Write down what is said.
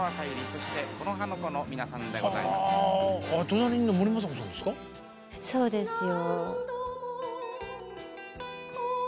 そうですよ。